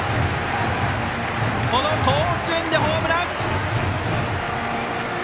この甲子園でホームラン！